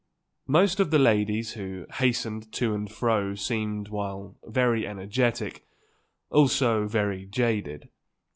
Most of the ladies who hastened to and fro seemed, while very energetic, also very jaded.